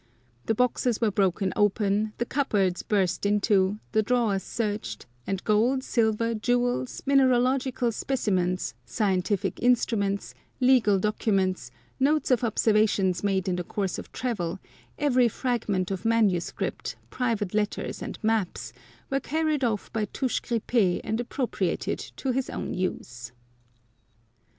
The boxes were broken open, the cupboards burst into, the drawers searched, and gold, silver, jewels, mineralogical specimens, scientific instruments, legal documents, notes of observations made in the course of travel, every fragment of manuscript, private letters, and maps, were carried off by Touche Gripp6 and appropriated to his own use.